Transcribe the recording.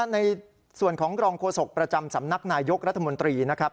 ในส่วนของรองโฆษกประจำสำนักนายยกรัฐมนตรีนะครับ